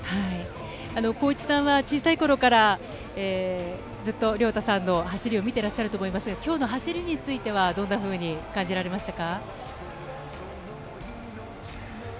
浩一さんは小さい頃からずっと亮太さんの走りを見てらっしゃると思いますが、今日の走りについてはどんなふうに感じられましたか？